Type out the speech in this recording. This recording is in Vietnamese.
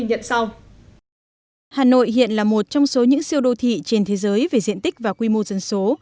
hà nội hiện là một trong số những siêu đô thị trên thế giới về diện tích và quy mô dân số